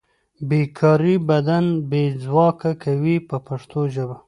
بې کاري بدن بې ځواکه کوي په پښتو ژبه.